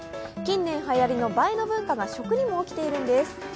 近年はやりの映えの文化が食にも起きているんです。